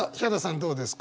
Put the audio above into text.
どうですか？